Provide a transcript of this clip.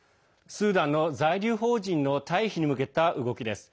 スーダンの在留邦人の退避に向けた動きです。